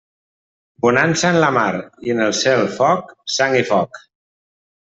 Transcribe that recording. Bonança en la mar i en el cel foc, sang i foc.